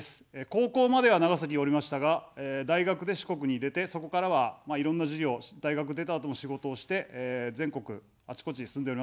高校までは長崎におりましたが、大学で四国に出て、そこからは、いろんな事業、大学出たあとも仕事をして全国あちこちに住んでおります。